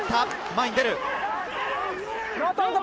前に出る。